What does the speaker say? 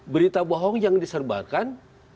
berita bohong yang diserbarkan